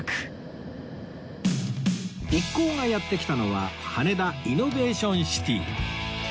一行がやって来たのは羽田イノベーションシティ